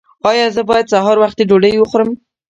ایا زه باید سهار وختي ډوډۍ وخورم؟